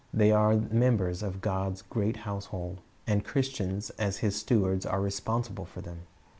They are members of God's great household, and Christians as His stewards are responsible for them.